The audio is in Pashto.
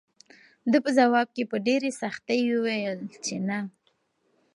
ده په ځواب کې په ډېرې سختۍ وویل چې نه.